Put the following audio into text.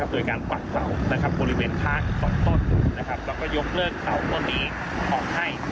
โดยการปักเสาบริเวณข้างอีก๒ต้นแล้วก็ยกเลิกเสาต้นนี้ออกให้